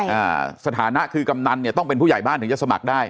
อ่าสถานะคือกำนันเนี่ยต้องเป็นผู้ใหญ่บ้านถึงจะสมัครได้